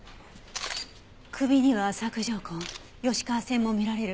首には索条痕吉川線も見られる。